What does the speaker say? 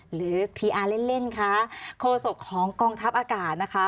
หรือพีอาร์เล่นค่ะโคศกของกองทัพอากาศนะคะ